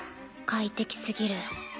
快適すぎる。